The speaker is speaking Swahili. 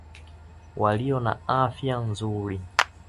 walio na afya nzuri